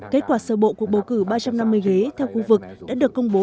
kết quả sơ bộ cuộc bầu cử ba trăm năm mươi ghế theo khu vực đã được công bố